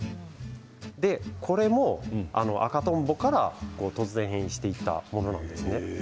これも赤とんぼから突然変異していったものなんです。